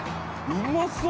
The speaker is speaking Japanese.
うまそう！